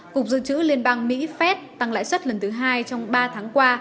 cục dự trữ liên bang mỹ phép tăng lãi suất lần thứ hai trong ba tháng qua